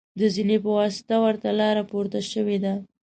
د زینې په واسطه ورته لاره پورته شوې ده.